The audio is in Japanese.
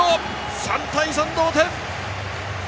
３対３、同点。